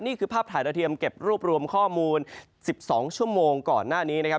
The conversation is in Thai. นี่คือภาพถ่ายดาวเทียมเก็บรวบรวมข้อมูล๑๒ชั่วโมงก่อนหน้านี้นะครับ